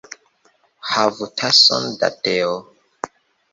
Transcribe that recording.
Havu tason da teo.